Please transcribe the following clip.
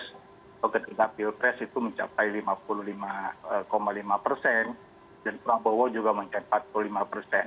atau ketika pilpres itu mencapai lima puluh lima lima persen dan prabowo juga mencapai empat puluh lima persen